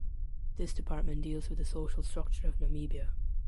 This department deals with the social structure of Namibia.